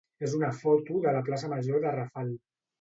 és una foto de la plaça major de Rafal.